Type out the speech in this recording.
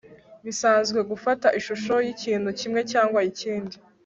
bisanzwe gufata ishusho yikintu kimwe cyangwa ikindi